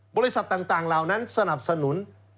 บริษัทต่างเหล่านั้นสนับสนุน